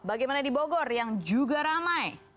bagaimana di bogor yang juga ramai